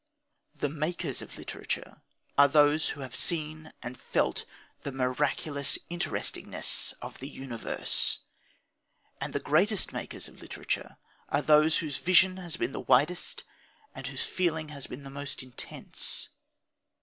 The makers of literature are those who have seen and felt the miraculous interestingness of the universe. And the greatest makers of literature are those whose vision has been the widest, and whose feeling has been the most intense.